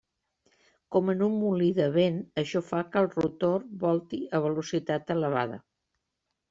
Com en un molí de vent això fa que el rotor volti a velocitat elevada.